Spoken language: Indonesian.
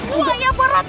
kamu aja berat